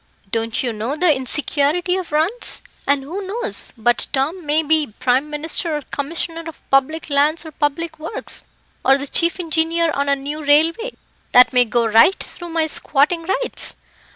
"Don't you know the insecurity of runs? And who knows but Tom may be Prime Minister or Commissioner of Public Lands or Public Works, or the chief engineer on a new railway, that may go right through my squatting rights?